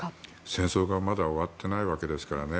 戦争がまだ終わっていないわけですからね。